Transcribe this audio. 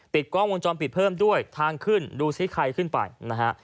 กล้องวงจรปิดเพิ่มด้วยทางขึ้นดูซิใครขึ้นไปนะฮะ